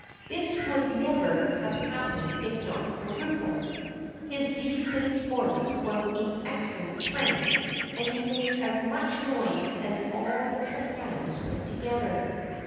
This would never have happened if not for Rufus. His deep bass voice was in excellent trim and he made as much noise as all the sopranos put together.